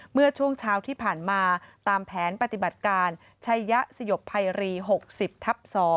เมื่อช่วงเช้าที่ผ่านมาตามแผนปฏิบัติการชัยยะสยบภัยรี๖๐ทับ๒